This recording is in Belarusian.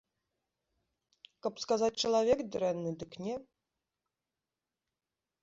Каб сказаць чалавек дрэнны, дык не.